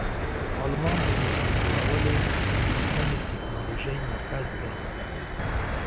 آلمان د موټر جوړولو او پرمختللې تکنالوژۍ مرکز دی.